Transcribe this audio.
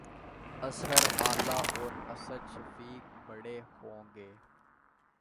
اظہر علی اور اسد شفیق 'بڑے' ہو گئے